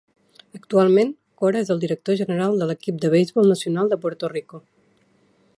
Actualment, Cora es el director general de l'equip de beisbol nacional de Puerto Rico.